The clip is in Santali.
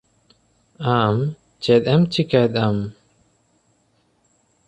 ᱟᱢ ᱪᱮᱫ ᱮᱢ ᱪᱤᱠᱟᱹᱮᱫᱟᱢ?